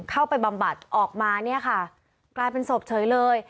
เข้าไปบำบัดออกมากลายเป็นศพเฉยเลย